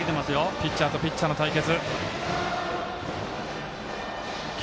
ピッチャーとピッチャーの対決。